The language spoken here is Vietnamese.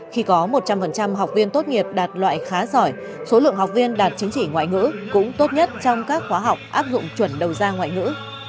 khi có một trăm linh học viên tốt nghiệp đạt loại khá giỏi số lượng học viên đạt chứng chỉ ngoại ngữ cũng tốt nhất trong các khóa học áp dụng chuẩn đầu ra ngoại ngữ